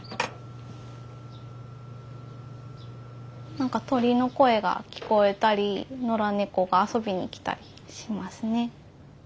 何か鳥の声が聞こえたり野良猫が遊びに来たりしますね。